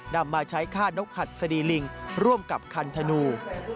นำมาใช้ฆ่านกหัดสดีลิงร่วมกับคันธนู